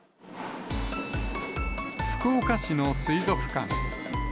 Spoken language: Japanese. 福岡市の水族館。